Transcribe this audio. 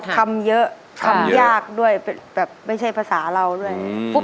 คำเยอะคำยากด้วยแน่นประสาเราร์ด้วย